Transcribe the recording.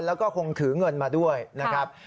แล้วก็คงถือเงินมาด้วยนะครับ